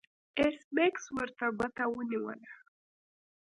ایس میکس ورته ګوته ونیوله